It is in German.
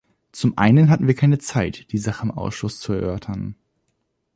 Zum einen hatten wir keine Zeit, die Sache im Ausschuss zu erörtern.